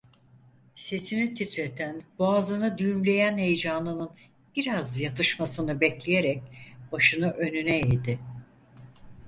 Sesini titreten, boğazını düğümleyen heyecanının biraz yatışmasını bekleyerek başını önüne eğdi.